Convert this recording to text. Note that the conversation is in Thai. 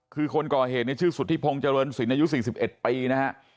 คือคนก่อเหตุในชื่อสุธิพงศ์เจริญศิลป์อายุ๔๑ปีนะฮะ